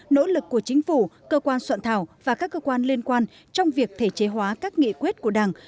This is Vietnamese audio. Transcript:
nỗ lực của chính phủ cơ quan soạn thảo và các cơ quan liên quan trong việc thể chế hóa các nghị quyết của đảng